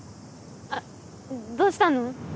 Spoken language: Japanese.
あっどうしたの？